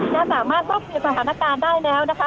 จะสามารถพบคุยกับฐานการณ์ได้แล้วนะคะ